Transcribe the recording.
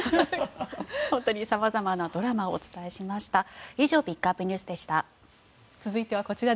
様々なドラマをお伝えしました。